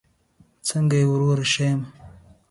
څنګه یې وروره؟ ښه یمه